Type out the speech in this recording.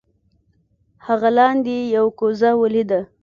هغه لاندې یو کوزه ولیده.